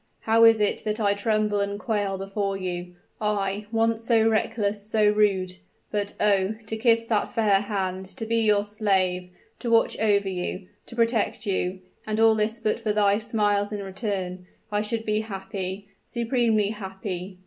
How is it that I tremble and quail before you I, once so reckless, so rude. But, oh! to kiss that fair hand to be your slave to watch over you to protect you and all this but for thy smiles in return I should be happy supremely happy!